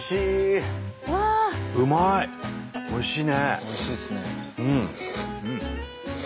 おいしいねうん。